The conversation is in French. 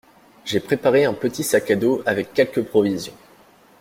J’ai préparé un petit sac à dos avec quelques provisions.